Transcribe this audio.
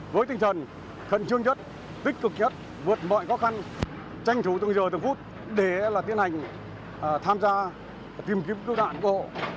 với tinh thần khẩn trương nhất tích cực nhất vượt mọi khó khăn tranh thủ từng giờ từng phút để tiến hành tham gia tìm kiếm cứu nạn cứu hộ